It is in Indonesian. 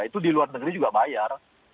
itu di luar negeri juga bayar